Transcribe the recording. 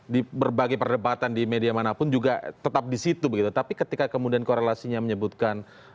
di berbagai perdebatan di media manapun juga tetap di situ begitu tapi ketika kemudian korelasinya menyebutkan